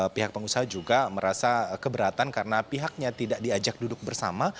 pihak pengusaha juga merasa keberatan karena pihaknya tidak diajak duduk bersama